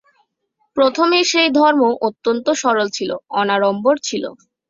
প্রথমে সেই ধর্ম অত্যন্ত সরল ছিল, অনাড়ম্বর ছিল।